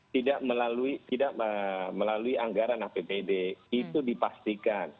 tidak melalui anggaran apbd itu dipastikan